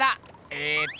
ええっと。